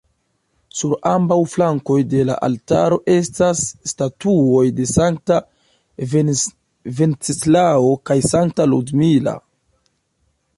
Sur ambaŭ flankoj de la altaro estas statuoj de Sankta Venceslao kaj Sankta Ludmila.